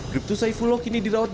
brip tusaifullah kini dirawatkan